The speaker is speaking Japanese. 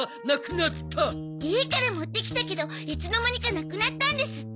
家から持ってきたけどいつの間にかなくなったんですって。